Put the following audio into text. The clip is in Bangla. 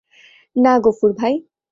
না গফুর ভাই।